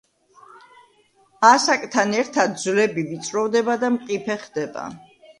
ასაკთან ერთად ძვლები ვიწროვდება და მყიფე ხდება.